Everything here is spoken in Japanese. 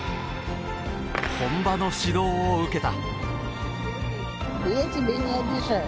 本場の指導を受けた。